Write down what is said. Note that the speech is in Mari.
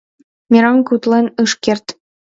Мераҥ утлен ыш керт.